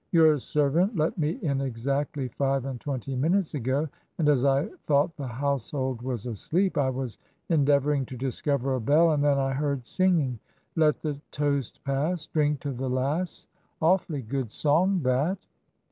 "Your servant let me in exactly five and twenty minutes ago, and as I thought the household was asleep I was endeavouring to discover a bell; and then I heard singing, "'Let the toast pass; Drink to the lass,' Awfully good song that."